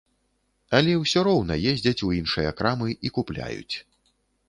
Але ўсё роўна ездзяць у іншыя крамы і купляюць.